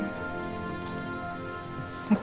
ngejelasin dulu ke rina